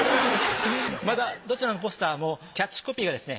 またどちらのポスターもキャッチコピーがですね